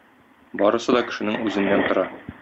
Барысы да кешенең үзеннән тора.